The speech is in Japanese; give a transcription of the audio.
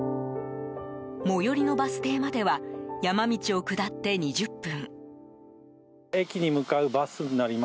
最寄りのバス停までは山道を下って２０分。